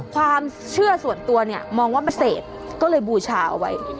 ความเชื่อส่วนตัวเนี่ยมองว่ามันเสพก็เลยบูชาเอาไว้